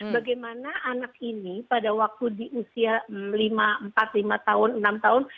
bagaimana anak ini pada waktu di usia lima empat lima tahun enam tahun